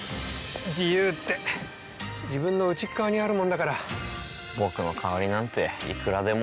自由って自分の内側にあるものだから僕の代わりなんていくらでもいないよ